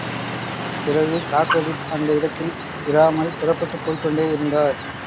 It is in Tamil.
பிறரு சாக்ரடிஸ் அந்த இடத்தில் இராமல் புறப்பட்டுப் போய்க்கொண்டே இருந்தார்.